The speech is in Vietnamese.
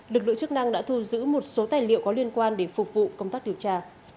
lực lượng chức năng đã thu giữ một số tài liệu có liên quan để phục vụ công tác điều tra